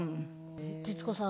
徹子さん